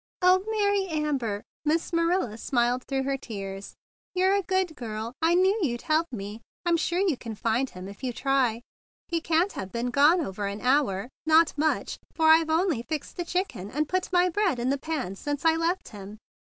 "O Mary Amber I" smiled Miss Ma¬ nila through her tears. "You're a good girl. I knew you'd help me. I'm sure you can find him if you try. He can't have been gone over an hour, not much; for I've only fixed the chicken and put my bread in the pans since I left him."